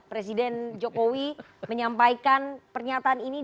presiden jokowi menyampaikan pernyataan ini